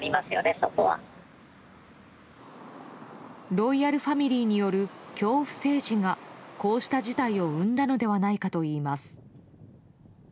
ロイヤルファミリーによる恐怖政治がこうした事態を生んだのではないかといいます。